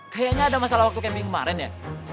kayaknya ada masalah waktu camping kemarin ya